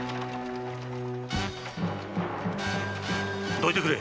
どいてくれ。